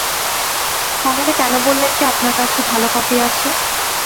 তাহলে কেন বললেন যে আপনার কাছে ভালো কফি আছে।